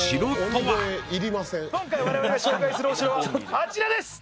今回我々が紹介するお城はあちらです！